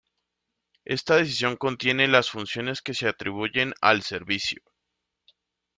Esta Decisión contiene las funciones que se atribuyen al Servicio.